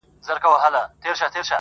غټ غټ راته ګوري ستا تصویر خبري نه کوي.